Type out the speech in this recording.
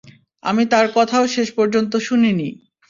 আমি তার কথাও শেষ পর্যন্ত শুনিনি।